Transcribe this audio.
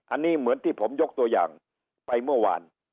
อันนี้เหมือนที่ผมยกตัวอย่างไปเมื่อวาน